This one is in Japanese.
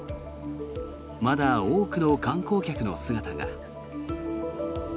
まだ多くの観光客の姿が。